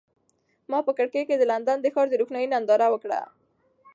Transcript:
ما په کړکۍ کې د لندن د ښار د روښنایۍ ننداره وکړه.